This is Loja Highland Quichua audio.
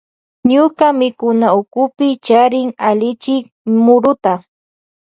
Ñuka mikunawkupi charin allichin muruta.